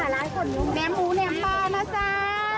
แล้วยังหมูแหลมปลานะจ้า